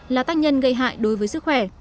là tác nhân gây hại đối với sức khỏe